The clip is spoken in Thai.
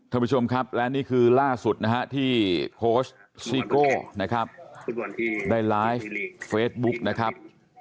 ทุกผู้ชมครับและนี่คือล่าสุดที่โคชซิโกะได้ไลฟ์เฟสบุคนะครับ